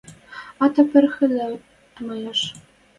А тӓ пырахыда тумаяш.